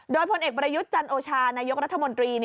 โดยพลเอกประยุทธ์จันโอชานายกรัฐมนตรี